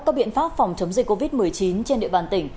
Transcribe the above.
các biện pháp phòng chống dịch covid một mươi chín trên địa bàn tỉnh